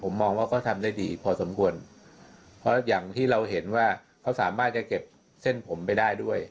มองว่าเขาทำได้ดีพอสมควรเพราะอย่างที่เราเห็นว่าเขาสามารถจะเก็บเส้นผมไปได้ด้วย